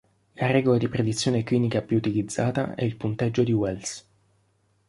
La regola di predizione clinica più utilizzata è il punteggio di Wells.